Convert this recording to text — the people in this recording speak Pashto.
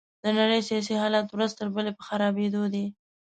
د نړۍ سياسي حالات ورځ تر بلې په خرابيدو دي.